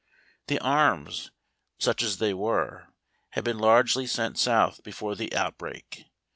The arms, such as they were, had been largely sent South before the outbreak.